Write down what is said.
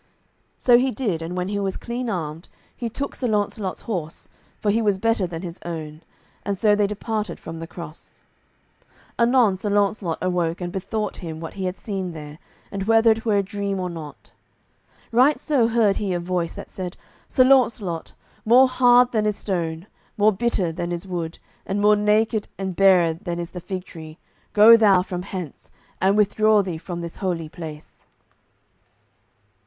So he did, and when he was clean armed, he took Sir Launcelot's horse, for he was better than his own, and so they departed from the cross. Anon Sir Launcelot awoke, and bethought him what he had seen there, and whether it were a dream or not. Right so heard he a voice that said: "Sir Launcelot, more hard than is stone, more bitter than is wood, and more naked and barer than is the fig tree, go thou from hence, and withdraw thee from this holy place."